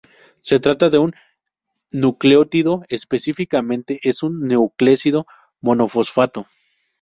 Se trata de un nucleótido, específicamente es un nucleósido monofosfato.